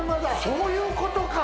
そういうことか！